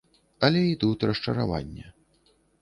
Але і тут расчараванне.